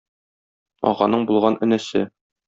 Аганың булган энесе